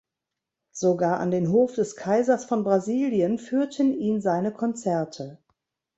Sogar an den Hof des Kaisers von Brasilien führten ihn seine Konzerte.